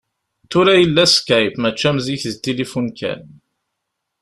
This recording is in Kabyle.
Tura yella Skype, mačči am zik d tilifun kan.